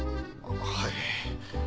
はい。